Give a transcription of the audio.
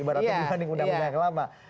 ibaratnya lebih mudah mudahan lama